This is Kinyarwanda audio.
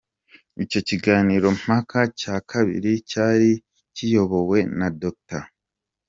Icyo kiganiro mpaka cya kabiri cyari kiyobowe na Dr.